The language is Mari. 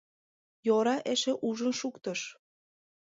Йӧра эше ужын шуктыш.